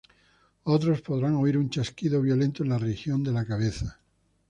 Otros podrán oír un chasquido violento en la región de la cabeza.